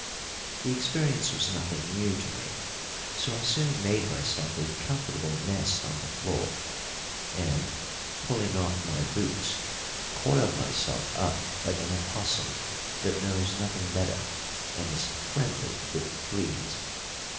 The experience was nothing new to me, so I soon made myself a comfortable nest on the floor, and, pulling off my boots, coiled myself up like an opossum that knows nothing better and is friendly with fleas.